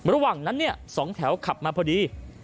ระหว่างนั้นสองแถวขับมาพอดี